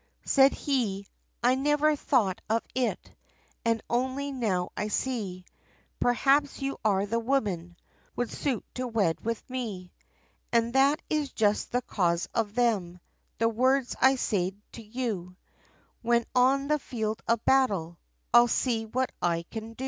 Said he, "I never thought of it, And only now, I see Perhaps you are the woman, Would suit to wed with me, And that is just the cause of them The words, I said to you When on the field of battle, I'll see what I can do."